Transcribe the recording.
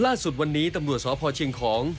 ล่าสุดวันนี้ตำรวจสพเชียงของ